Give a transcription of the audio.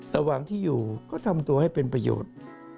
ระหว่างที่อยู่ก็ทำตัวให้เป็นประโยชน์